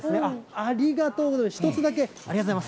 ありがとうございます。